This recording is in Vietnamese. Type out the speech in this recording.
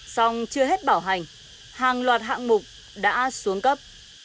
xong chưa hết bảo hành hàng loạt hạng mục đã xuống cấp